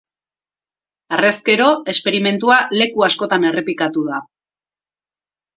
Harrezkero, esperimentua leku askotan errepikatu da.